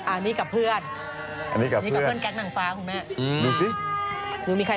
อันนี้กับเพื่อนกับเพื่อนแก๊กหนังฟ้าคุณแม่